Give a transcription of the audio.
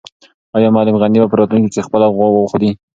آیا معلم غني به په راتلونکي کې خپله غوا واخلي؟